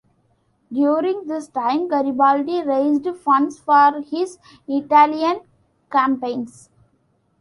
During this time Garibaldi raised funds for his Italian campaigns.